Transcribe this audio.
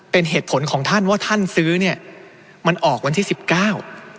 เป็นเหตุผลของท่านว่าท่านซื้อเนี้ยมันออกวันที่สิบเก้า